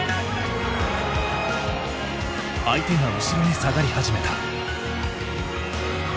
相手が後ろに下がり始めた。